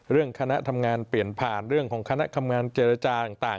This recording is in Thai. คณะทำงานเปลี่ยนผ่านเรื่องของคณะทำงานเจรจาต่าง